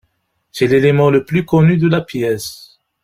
C'est l'élément le plus connu de la pièce.